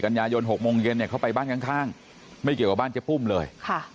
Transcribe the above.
กันยายน๖โมงเย็นเนี่ยเขาไปบ้านข้างไม่เกี่ยวกับบ้านเจ๊ปุ้มเลย